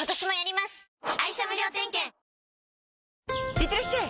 いってらっしゃい！